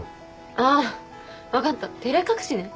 ああ分かった照れ隠しね。